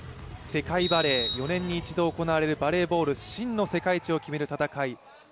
世界バレー４年に一度行われる真の世界一を決める戦い。